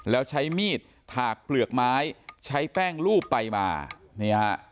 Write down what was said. แล้วใช้มีดถากเปลือกไม้ใช้แป้งลูบไปมานี่ฮะ